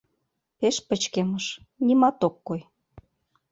Пеш пычкемыш, нимат ок кой.